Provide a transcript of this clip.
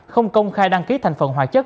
không công khai đăng ký thành phần hòa chất